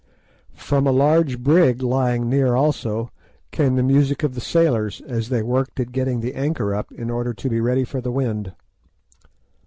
From a large brig lying near also came the music of the sailors as they worked at getting the anchor up in order to be ready for the wind.